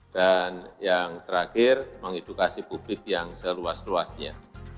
dan yang terakhir mengedukasi publik yang seluas luasnya